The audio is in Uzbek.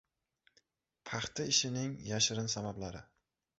"Paxta ishi"ning yashirin sabablari